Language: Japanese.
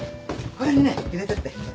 これにね入れといて。